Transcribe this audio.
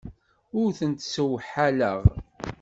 Ur tent-ssewḥaleɣ.